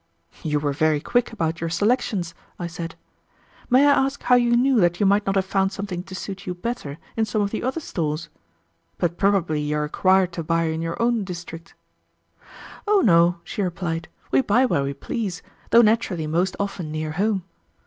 "You were very quick about your selections," I said. "May I ask how you knew that you might not have found something to suit you better in some of the other stores? But probably you are required to buy in your own district." "Oh, no," she replied. "We buy where we please, though naturally most often near home.